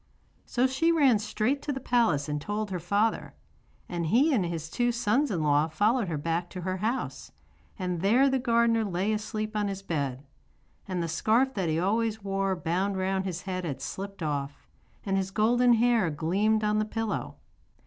So she ran straight to the palace and told her father. And he and his two sons in law followed her back to her house, and there the gardener lay asleep on his bed. And the scarf that he always wore bound round his head had slipped off, and his golden hair gleamed on the pillow.